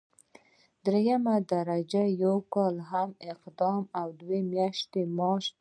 دریمه درجه یو کال قدم او دوه میاشتې معاش.